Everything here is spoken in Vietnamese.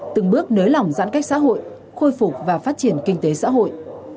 từng bước nới lỏng giãn cách xã hội khôi phục và phát triển kinh tế xã hội